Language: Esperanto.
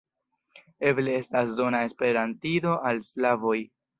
Eble estas zona esperantido al slavoj.